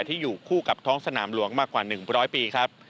ที่อยู่คู่กับท้องสนามหลวงมากกว่า๑๐๐ปีครับ